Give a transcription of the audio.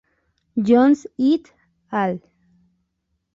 Jones "et al.